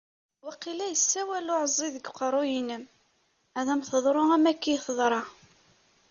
Waqila yessawal uɛeẓẓi deg uqerru-inem ad am-teḍru am akka i iyi-teḍra.